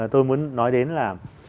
tôi muốn nói đến là